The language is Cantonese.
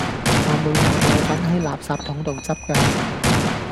我每晚有份喺垃圾筒度執㗎